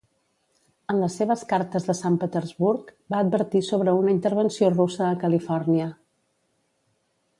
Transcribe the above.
En les seves cartes de Sant Petersburg va advertir sobre una intervenció russa a Califòrnia.